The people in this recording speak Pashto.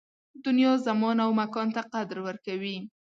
دنیا زمان او مکان ته قدر ورکوي